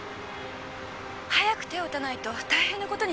早く手を打たないと大変なことになるわ。